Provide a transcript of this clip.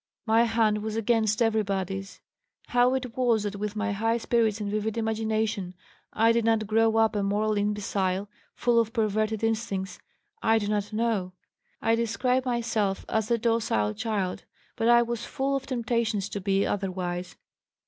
My hand was against everybody's. How it was that with my high spirits and vivid imagination I did not grow up a moral imbecile full of perverted instincts I do not know. I describe myself as a docile child, but I was full of temptations to be otherwise.